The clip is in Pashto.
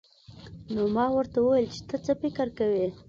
نو ما ورته وويل چې ته څه فکر کوې.